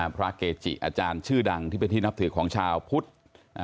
พระเกจิอาจารย์ชื่อดังที่เป็นที่นับถือของชาวพุทธ